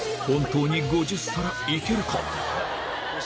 本当に５０皿いけるか？